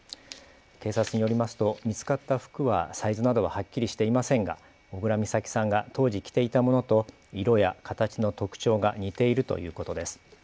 警察によりますと見つかった服はサイズなどははっきりしていませんが小倉美咲さんが当時着ていたものと色や形の特徴が似ているということです。